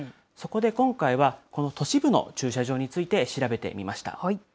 そこで今回は、この都市部の駐車場について調べてみました。